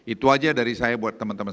itu aja dari saya buat teman teman